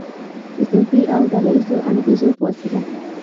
د صنفي او ډله ییزو انګیزو په وسیله.